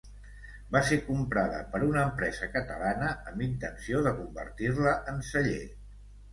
Va ser comprada per una empresa catalana amb intenció de convertir-la en celler.